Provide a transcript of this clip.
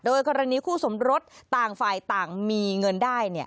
กรณีคู่สมรสต่างฝ่ายต่างมีเงินได้